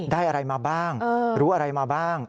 ได้อะไรมาบ้างรู้อะไรมาบ้าง